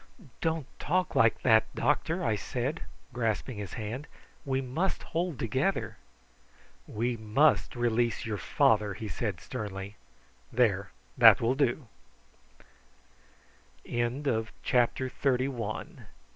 "Don't talk like that, doctor!" I said, grasping his hand. "We must hold together." "We must release your father!" he said sternly. "There, that will do." CHAPTER THIRTY TWO.